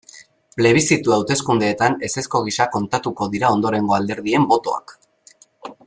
Plebiszitu hauteskundeetan ezezko gisa kontatuko dira ondorengo alderdien botoak.